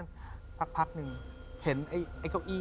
เราก็พยายามเสื้อเรื่องนี้